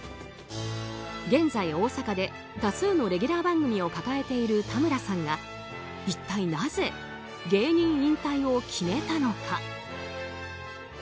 現在、大阪で多数のレギュラー番組を抱えているたむらさんが一体なぜ芸人引退を決めたのか。